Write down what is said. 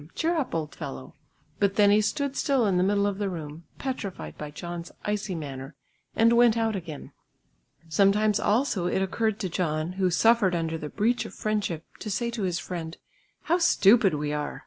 cheer up old fellow!" But then he stood still in the middle of the room, petrified by John's icy manner, and went out again. Sometimes also it occurred to John, who suffered under the breach of friendship to say to his friend, "How stupid we are!"